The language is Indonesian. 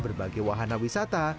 berbagai wahana wisata